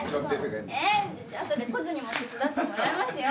後でコズにも手伝ってもらいますよ。